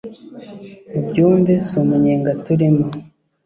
mubyumve si umunyenga turimo